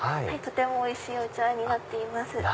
とてもおいしいお茶になっています。